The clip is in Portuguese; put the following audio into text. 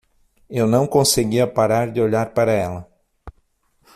Eu não conseguia parar de olhar para ela.